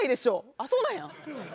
あっそうなんや。